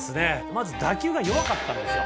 まず打球が弱かったんですよ」